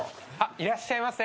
いらっしゃいませ。